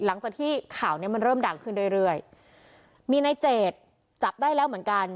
หลังจากที่ข่าวเนี้ยมันเริ่มดังขึ้นเรื่อยเรื่อยมีในเจดจับได้แล้วเหมือนกัน